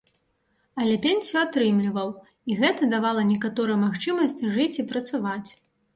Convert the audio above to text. Але пенсію атрымліваў, і гэта давала некаторую магчымасць жыць і працаваць.